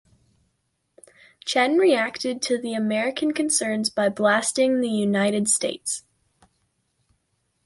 Chen reacted to the American concerns by blasting the United States.